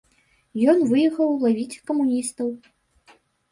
Ён выехаў лавіць камуністаў.